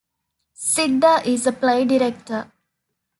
Sidda is a play director.